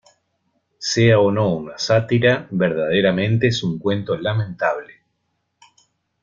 Sea o no una sátira, verdaderamente es un cuento lamentable.